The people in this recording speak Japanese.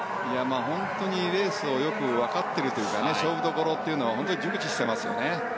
本当にレースをよくわかっているというか勝負どころというのを熟知していますよね。